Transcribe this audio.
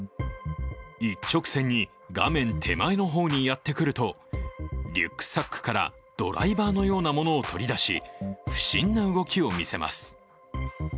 一直線に画面手前の方にやってくるとリュックサックからドライバーのようなものを取り出し不審な動きを見せます。